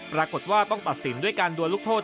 ปรากฏว่าต้องตัดสินด้วยการดวนลูกโทษ